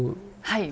はい。